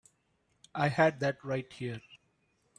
I had that right here.